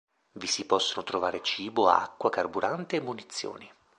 Vi si possono trovare cibo, acqua, carburante e munizioni.